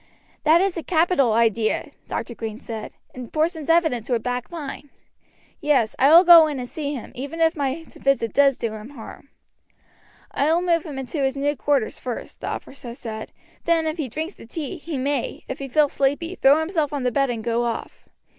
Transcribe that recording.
"That is a capital idea," Dr. Green said, "and Porson's evidence would back mine. Yes, I will go in and see him even if my visit does do him harm." "I will move him into his new quarters first," the officer said; "then if he drinks the tea he may, if he feels sleepy, throw himself on the bed and go off.